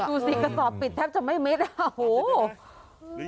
ดูสิกระสอบปิดแทบจะไม่เม็ด